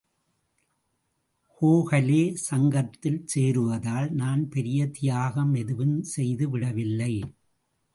கோகலே சங்கத்தில் சேருவதால் நான் பெரிய தியாகம் எதுவும் செய்து விடவில்லை.